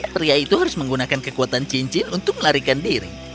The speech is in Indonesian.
pria itu harus menggunakan kekuatan cincin untuk melarikan diri